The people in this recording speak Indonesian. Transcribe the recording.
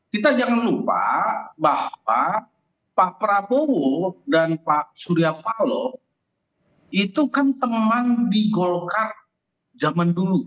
kita jangan lupa bahwa pak prabowo dan pak surya paloh itu kan teman di golkar zaman dulu